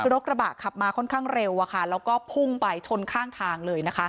คือรถกระบะขับมาค่อนข้างเร็วแล้วก็พุ่งไปชนข้างทางเลยนะคะ